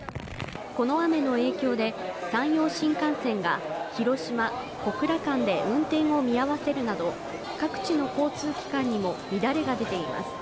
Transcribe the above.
この雨の影響で山陽新幹線が広島−小倉間で運転を見合わせるなど各地の交通機関にも乱れが出ています。